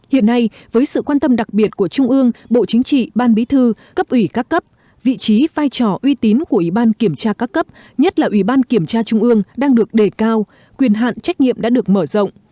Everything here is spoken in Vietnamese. hiện nay với sự quan tâm đặc biệt của trung ương bộ chính trị ban bí thư cấp ủy các cấp vị trí vai trò uy tín của ủy ban kiểm tra các cấp nhất là ủy ban kiểm tra trung ương đang được đề cao quyền hạn trách nhiệm đã được mở rộng